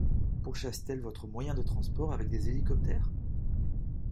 Pourchassent-elles votre moyen de transport avec des hélicoptères?